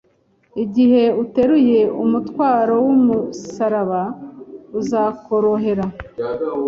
Igihe uteruye umutwaro w’umusaraba, uzakorohera;